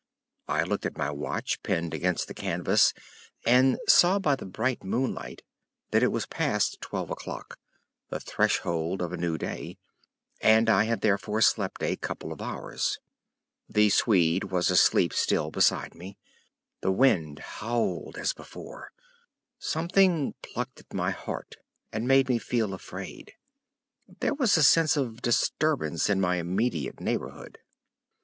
I looked at my watch pinned against the canvas, and saw by the bright moonlight that it was past twelve o'clock—the threshold of a new day—and I had therefore slept a couple of hours. The Swede was asleep still beside me; the wind howled as before; something plucked at my heart and made me feel afraid. There was a sense of disturbance in my immediate neighborhood.